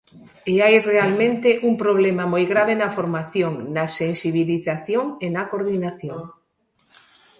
E hai realmente un problema moi grave na formación, na sensibilización e na coordinación.